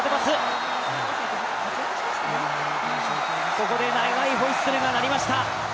ここで長いホイッスルが鳴りました。